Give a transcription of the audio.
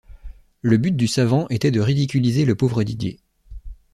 Le but du savant était de ridiculiser le pauvre Didier.